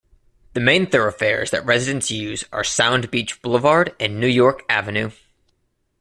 The main thoroughfares that residents use are Sound Beach Boulevard and New York Avenue.